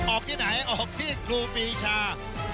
ออกที่ไหนออกที่ครูปีชา